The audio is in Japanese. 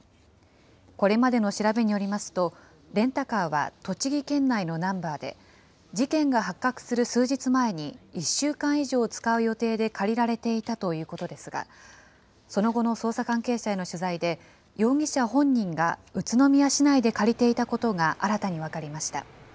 これまでの調べによりますと、レンタカーは栃木県内のナンバーで、事件が発覚する数日前に、１週間以上使う予定で借りられていたということですが、その後の捜査関係者への取材で、容疑者本人が宇都宮市内で借りていたことが新たに分かりました。